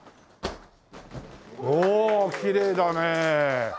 おおきれいだねえ。